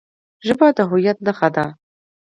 ژبه د هویت نښه ده.